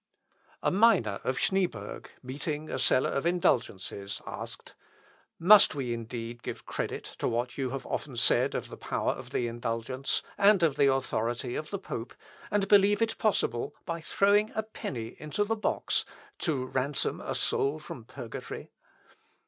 " Luth. Op. (Leips.) xvi, 79. A miner of Schneeberg, meeting a seller of indulgences, asked, "Must we indeed give credit to what you have often said of the power of the indulgence, and of the authority of the pope, and believe it possible, by throwing a penny into the box, to ransom a soul from purgatory?"